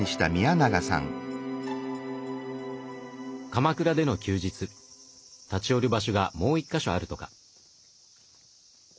鎌倉での休日立ち寄る場所がもう１か所あるとか。